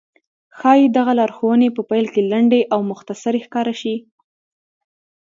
ښايي دغه لارښوونې په پيل کې لنډې او مختصرې ښکاره شي.